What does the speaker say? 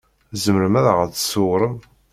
Tzemrem ad ɣ-d-tṣewṛem?